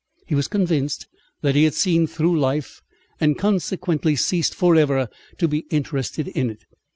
He was convinced that he had seen through life, and consequently ceased forever to be interested in it.